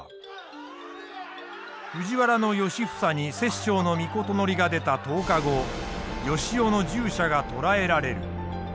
藤原良房に摂政の詔が出た１０日後善男の従者が捕らえられる。